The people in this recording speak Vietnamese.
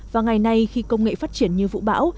và ngày nay khi công nghệ phát triển như vũ bão